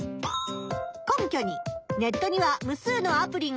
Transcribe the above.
根拠に「ネットにはむ数のアプリがある。